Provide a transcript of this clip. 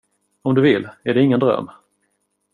Om du vill, är det ingen dröm.